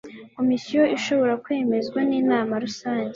komisiyo ishobora kwemezwa n'inama rusange